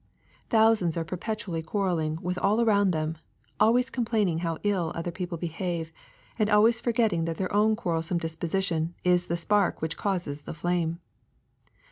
Thousands are perpetually quarrelling with all around them, always complaining how ill other people behave, and always forgetting that their own quarrel some disposition is the spark which causes the flame.